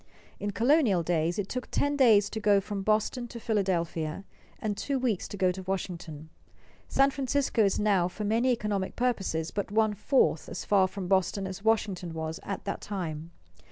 In colonial days it took ten days to go from Boston to Philadelphia, and two weeks to go to Washington. San Francisco is now for many economic purposes but one fourth as far from Boston as Washington was at that time.